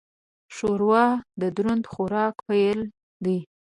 ښوروا د دروند خوراک پیل دی.